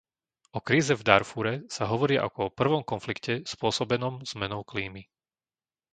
O kríze v Dárfúre sa hovorí ako o prvom konflikte spôsobenom zmenou klímy.